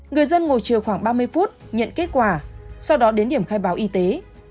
người dân ngồi chờ khoảng ba mươi phút nhận kết quả sau đó đến điểm khai báo y tế